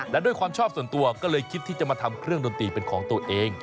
และด้วยความชอบส่วนตัวก็เลยคิดที่จะมาทำเครื่องดนตรีเป็นของตัวเอง